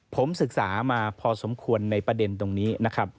ผมศึกษามาพอสมควรในประเด็นตรงนี้นะครับ